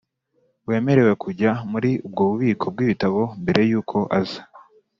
Wemerewe kujya muri ubwo bubiko bw ibitabo mbere y uko aza